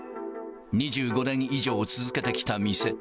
２５年以上続けてきた店。